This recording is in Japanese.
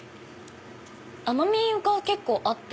甘みが結構あって。